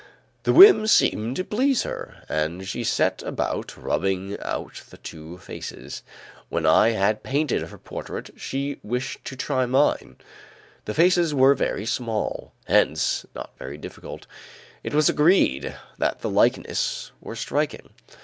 The whim seemed to please her and she set about rubbing out the two faces. When I had painted her portrait, she wished to try mine. The faces were very small, hence not very difficult; it was agreed that the likenesses were striking.